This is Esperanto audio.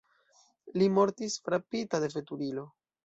Li mortis frapita de veturilo.